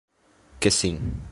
Que sim.